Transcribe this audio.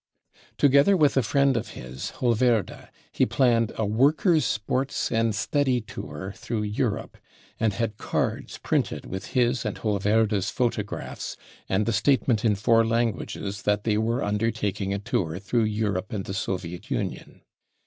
Together with a friend of his, Holverda, he planned a " Workers* Sports and Study Torn' * 5 through Europe, and had cards printed with his and Holverda's photographs and the statement in four languages that they were undertaking a tour through Europe and the Soviet Union.